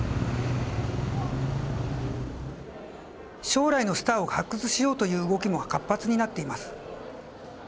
将来のスターを発掘しようという動きも活発になっています。